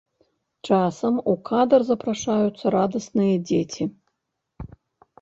Часам у кадр запрашаюцца радасныя дзеці.